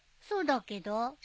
そうだけど。